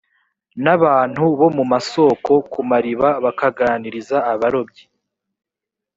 n abantu mu masoko ku mariba bakaganiriza abarobyi